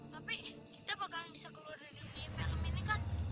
tapi kita bakalan bisa keluar dari unive elementnya kan